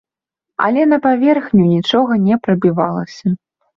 Але на паверхню нічога не прабівалася.